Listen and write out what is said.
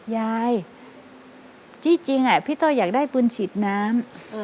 ยายจริงพี่โตอยากได้กินปืนฉีดน้ำ